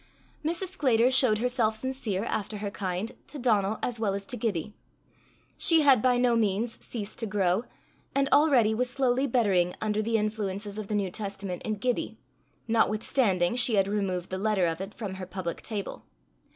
Mrs. Sclater showed herself sincere, after her kind, to Donal as well as to Gibbie. She had by no means ceased to grow, and already was slowly bettering under the influences of the New Testament in Gibbie, notwithstanding she had removed the letter of it from her public table.